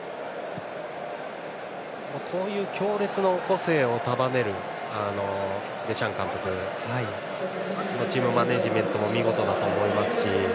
こういう強烈な個性を束ねるデシャン監督のチームマネージメントも見事だと思いますし